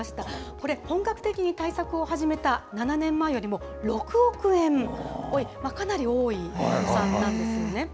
これ、本格的に対策を始めた７年前よりも６億円多い、かなり多い予算なんですよね。